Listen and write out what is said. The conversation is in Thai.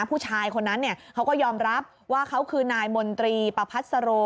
ผู้ชายคนนั้นเขาก็ยอมรับว่าเขาคือนายมนตรีประพัสโร